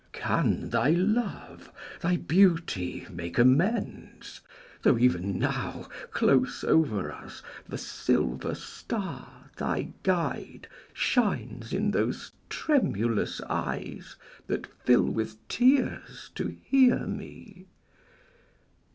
Can thy love, Thy beauty, make amends, tho' even now, Close over us, the silver star, thy guide, Shines in those tremulous eyes that fill with tears To hear me?